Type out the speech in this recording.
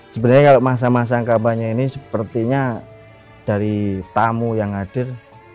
sebenarnya kalau masa masa kepanjang ini sepertinya dari tamu yang hadir